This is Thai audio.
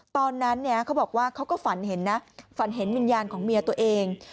ตอนนั้นเขาบอกว่าเขาก็ฝันเห็นนะฝันเห็นวิญญาณของเมียตัวเอง